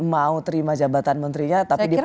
mau terima jabatan menterinya